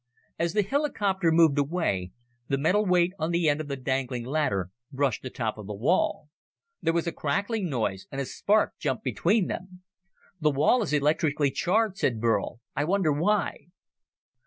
As the helicopter moved away, the metal weight on the end of the dangling ladder brushed the top of the wall. There was a crackling noise, and a spark jumped between them. "The wall is electrically charged," said Burl. "I wonder why?"